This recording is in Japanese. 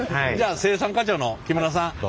じゃあ生産課長の木村さん。